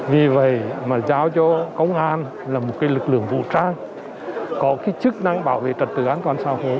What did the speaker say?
vì vậy mà giao cho công an là một cái lực lượng vũ trang có cái chức năng bảo vệ trật tự an toàn xã hội